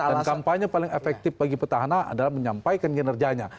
kampanye paling efektif bagi petahana adalah menyampaikan kinerjanya